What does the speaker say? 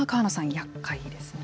やっかいですね。